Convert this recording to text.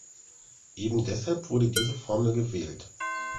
Eben deshalb wurde diese Formel gewählt.